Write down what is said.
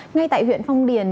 ngay tại huyện phong điền